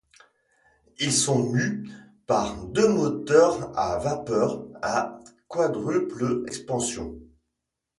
Ils sont mus par deux moteurs à vapeur à quadruple expansion.